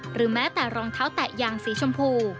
หรือแม้แต่รองเท้าแตะยางสีชมพู